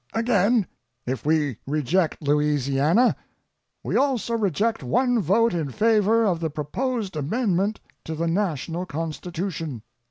Again, if we reject Louisiana, we also reject one vote in favor of the proposed amendment to the national Constitution.